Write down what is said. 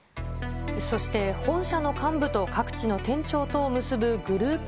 そして本社の幹部と各地の店長とを結ぶグループ